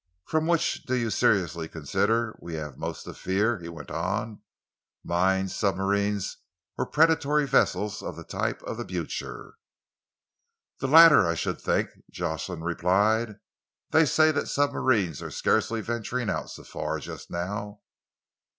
From which do you seriously consider we have most to fear," he went on, "mines, submarines, or predatory vessels of the type of the Blucher?" "The latter, I should think," Jocelyn replied. "They say that submarines are scarcely venturing so far out just now."